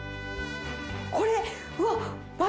これうわ。